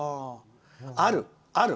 ある、ある。